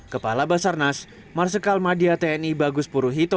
kepala basarnas marsikal madia tni bagus puruhito